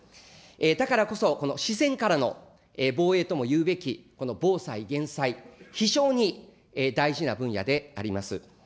だからこそ、この自然からの防衛ともいうべき、この防災・減災、非常に大事な分野であります。